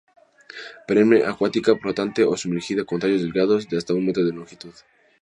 Perenne acuática flotante o sumergida con tallos delgados de hasta un metro de longitud.